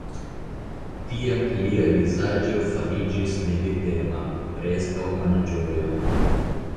Tiam lia vizaĝo fariĝis meditema, preskaŭ malĝoja.